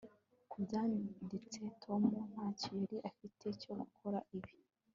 kubyanditse, tom ntacyo yari afite cyo gukora ibi